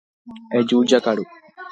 Eju jakaru.